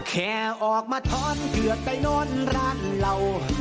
แค่ออกมาท้อนเผือกไปนอนร้านเรา